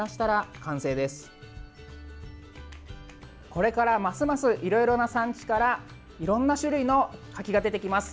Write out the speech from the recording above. これから、ますますいろいろな産地からいろんな種類の柿が出てきます。